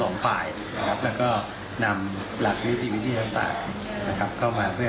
ก็ขออนุญาตถึงรายละเอียดในสำนวน